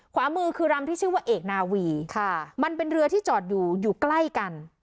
ขวามือคือรำที่ชื่อว่าเอกนาวีค่ะมันเป็นเรือที่จอดอยู่อยู่ใกล้กัน